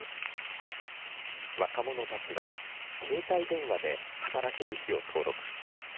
若者たちは、携帯電話で働ける日を登録。